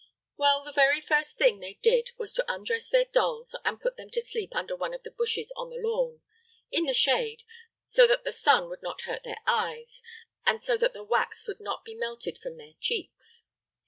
Well, the very first thing they did was to undress their dolls and put them to sleep under one of the bushes on the lawn in the shade, so that the sun would not hurt their eyes, and so that the wax would not be melted from their cheeks.